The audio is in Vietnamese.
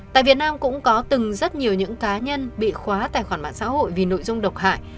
tại việt nam cũng có từng rất nhiều những cá nhân bị khóa tài khoản mạng xã hội vì nội dung độc hại